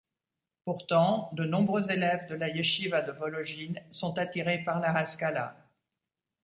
Pourtant, de nombreux élèves de la yeshiva de Volojine sont attirés par la Haskalah.